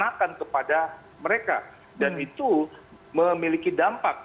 yang bisa dikenakan kepada mereka dan itu memiliki dampak